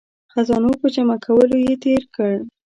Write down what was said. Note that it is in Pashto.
خزانو په جمع کولو یې تیر کړ.